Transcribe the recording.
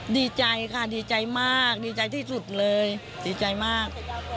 ดีใจมากดีใจที่สุดเลยดีใจมาก